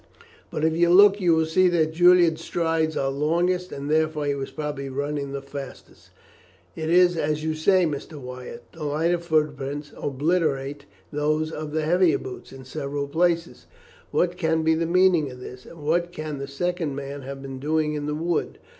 But if you look you will see that Julian's strides are the longest, and, therefore, he was probably running the fastest." "It is as you say, Mr. Wyatt. The lighter footprints obliterate those of the heavier boots in several places. What can be the meaning of this, and what can the second man have been doing in the wood?"